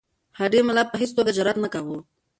هډې ملا په هیڅ توګه جرأت نه کاوه.